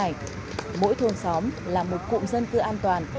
trong giai đoạn cao đài mỗi thôn xóm là một cụm dân cư an toàn